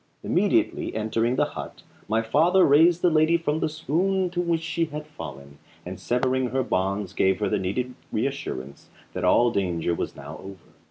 Immediately entering the hut my father raised the lady from the swoon into which she had fallen, and severing her bonds gave her the needed reassurance that all danger was now over.